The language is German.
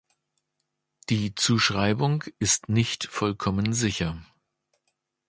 Die Zuschreibung ist nicht vollkommen sicher.